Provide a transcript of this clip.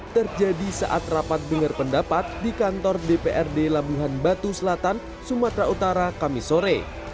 terjadi saat rapat dengar pendapat di kantor dprd labuhan batu selatan sumatera utara kamisore